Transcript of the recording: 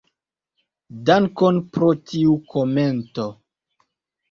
Dankon pro tiu komento.